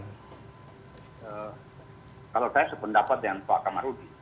kalau saya sependapat dengan pak kamarudi